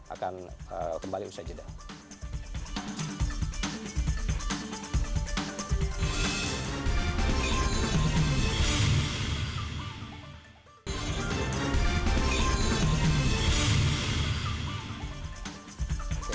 akan kembali usai jeda